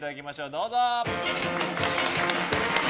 どうぞ。